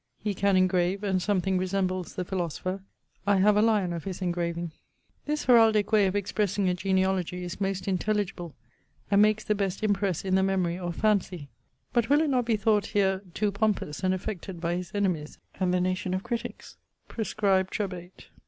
He can engrave and something resembles the philosopher. I have a lyon of his engraving. This heraldique way of expressing a genealogie is most intelligible and makes the best impresse in the memory or fancy; but will it not be thought here to pompous and affected by his enemies and the nation of critiques? _Prescribe Trebate.